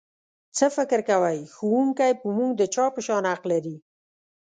څه فکر کوئ ښوونکی په موږ د چا په شان حق لري؟